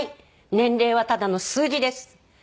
年齢はただの数字です。